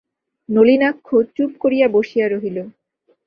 নলিনাক্ষ চুপ করিয়া বসিয়া রহিল।